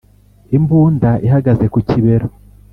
imbunda ihagaze ku kibero